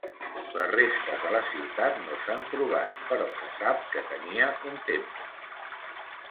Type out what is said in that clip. Les restes de la ciutat no s'han trobat però se sap que tenia un temple.